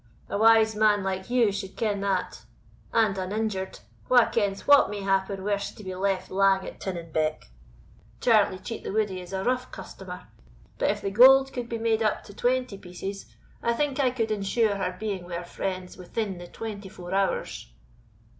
A wise man like you should ken that. And uninjured wha kens what may happen were she to be left lang at Tinning Beck? Charlie Cheat the Woodie is a rough customer. But if the gold could be made up to twenty pieces, I think I could ensure her being wi' her friends within the twenty four hours."